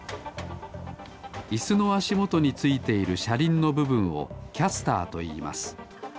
イスのあしもとについているしゃりんのぶぶんをキャスターといいます。